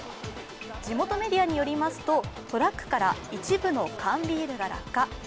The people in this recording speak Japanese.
地元メディアによりますとトラックから一部の缶ビールが落下。